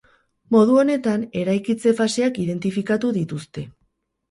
Modu honetan, eraikitze faseak identifikatu dituzte.